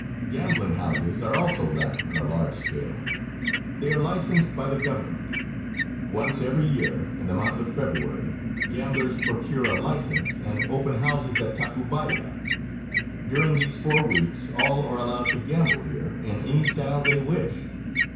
Gambling houses are also run on a large scale. They are licensed by the government. Once every year, in the month of February, gamblers procure a license and open houses at Tacubaya. During these four weeks all are allowed to gamble here in any style they wish.